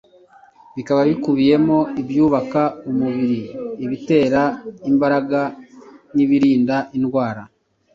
bikaba bikubiyemo ibyubaka umubiri, ibitera imbaraga n’ibirinda indwara.